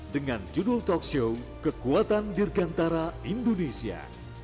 dengan judul talkshow kekuatan dirgantara indonesia